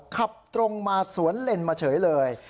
ขับตรงมาสวนเลนมาเฉยเลย